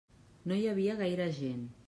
No hi havia gaire gent.